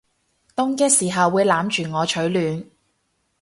凍嘅時候會攬住我取暖